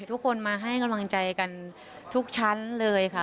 ทุกคนมาให้กำลังใจกันทุกชั้นเลยค่ะ